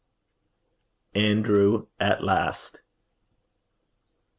ANDREW AT LAST.